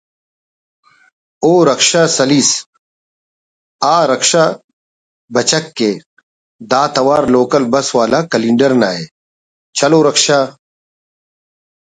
”اُو رکشہ سَلِس“ ……”آ……رکشہ بچکے“ (دا توار لوکل بس ولا کلینڈرناءِ) ……”چَلو رکشہ“ ……